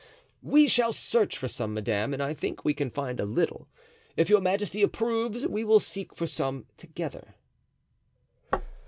"We shall search for some, madame, and I think we can find a little, and if your majesty approves, we will seek for some together."